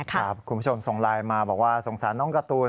คุณผู้ชมส่งไลน์มาบอกว่าสงสารน้องการ์ตูน